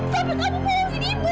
sampai kamu bohongin ibu